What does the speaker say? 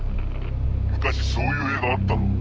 昔そういう映画あったろ。